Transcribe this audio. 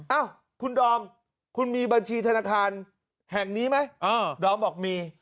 เอ้าคุณดอมคุณมีบัญชีธนาคารแห่งนี้ไหมดอมบอกมี